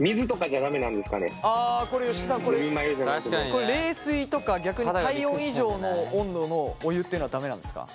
これ冷水とか逆に体温以上の温度のお湯っていうのは駄目なんですか？